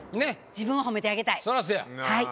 自分を褒めてあげたい。